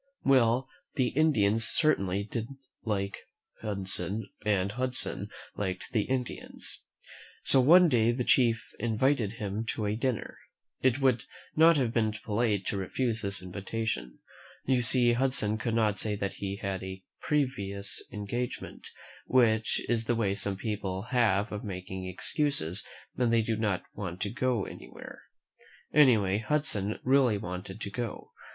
Well, the Indians certainly did like Hudson and Hudson liked the Indians; so one day the U THE MEN WHO FOUND f//j iv ■■vftJ ■:fS^^ ii^; AMERICA _^n M ^ chief invited him in to dinner. It would not have been polite to refuse this invitation. You see, Hudson could not say that he had a "pre vious engagement," which is the way some people have of making excuses when they do not want to go anywhere. Anyway, Hudson really wanted to go.